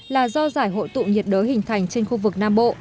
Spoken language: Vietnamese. là do giải hội tụ nhiệt đới hình thành trên khu vực nam bộ